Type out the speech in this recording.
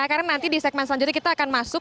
karena nanti di segmen selanjutnya kita akan masuk